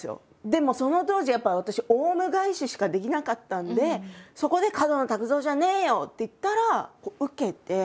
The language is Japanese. でもその当時やっぱり私オウム返ししかできなかったんでそこで「角野卓造じゃねーよ！」って言ったらウケて。